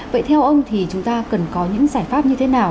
vậy theo ông thì chúng ta cần có những giải pháp như thế nào